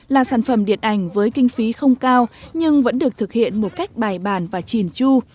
là sản phẩm điện ảnh với kinh phí không cao nhưng vẫn được thực hiện một cách bài bản và trìn chu